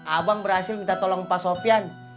abang berhasil minta tolong pak sofian